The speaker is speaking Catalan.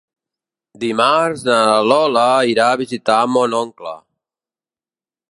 Dimarts na Lola irà a visitar mon oncle.